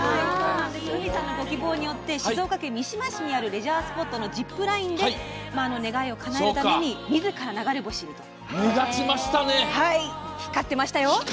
芙美さんのご希望によって静岡県三島市にあるレジャースポットのジップラインで願いをかなえるために光ってましたよ！